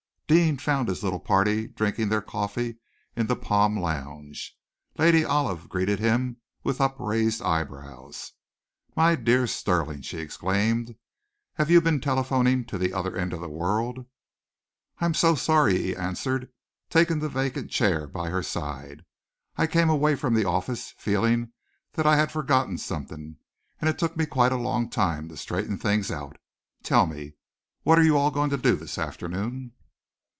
Deane found his little party drinking their coffee in the palm lounge. Lady Olive greeted him with upraised eyebrows. "My dear Stirling!" she exclaimed. "Have you been telephoning to the other end of the world?" "I am so sorry," he answered, taking the vacant chair by her side. "I came away from the office feeling that I had forgotten something, and it took me quite a long time to straighten things out. Tell me, what are you all going to do this afternoon?"